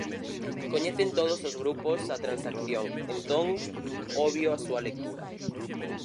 Coñecen todos os grupos a transacción; entón, obvio a súa lectura.